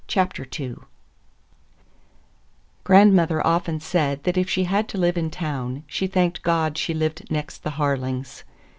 II GRANDMOTHER often said that if she had to live in town, she thanked God she lived next the Harlings.